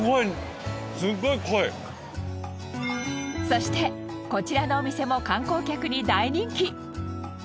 そしてこちらのお店も観光客に大人気。